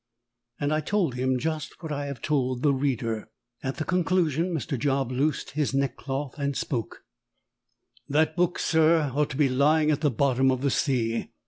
And I told him just what I have told the reader. At the conclusion, Mr. Job loosed his neckcloth and spoke "That book, sir, ought to be lyin' at the bottom of the sea.